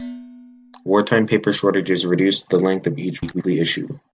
Wartime paper shortages reduced the length of each weekly issue.